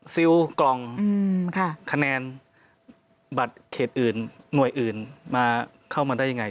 ซิลกล่องคะแนนบัตรเขตอื่นหน่วยอื่นมาเข้ามาได้ยังไง